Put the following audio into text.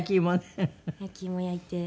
焼き芋焼いて。